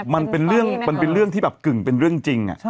มันเป็นเรื่องที่แบบกึ่งเป็นเรื่องจริง